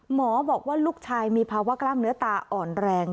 บอกว่าลูกชายมีภาวะกล้ามเนื้อตาอ่อนแรง